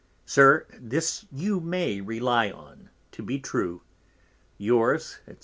Sir, this you may rely on to be true, _Yours, &c.